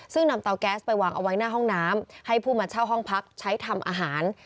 ซึ่งนำเตาแก๊สไปวางเอาไว้หน้าห้องน้ำให้ผู้มาเช่าห้องพักใช้ทำอาหาร